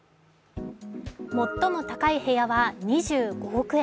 最も高い部屋は２５億円。